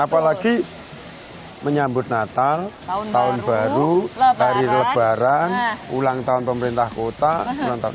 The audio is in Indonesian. apalagi menyambut natal tahun baru hari lebaran ulang tahun pemerintah kota